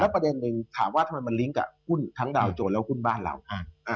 แล้วประเด็นหนึ่งถามว่าทำไมมันลิงก์กับทั้งดาวโจรแล้วกุ่นบ้านเรา